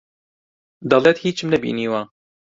دەڵێت هیچم نەبینیوە.